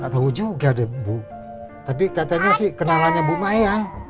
tahu juga deh bu tapi katanya sih kenalannya bu mayang